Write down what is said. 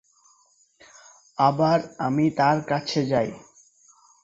আবার আমি তার কাছে যাই।